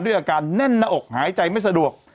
อาการแน่นหน้าอกหายใจไม่สะดวก